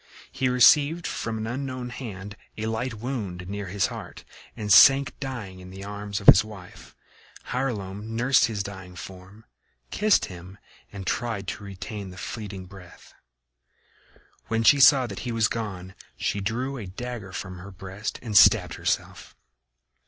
He received from an unknown hand a light wound near his heart, and sank dying in the arms of his wife. Hylonome nursed his dying form, kissed him and tried to retain the fleeting breath. When she saw that he was gone she drew a dagger from her breast and stabbed herself.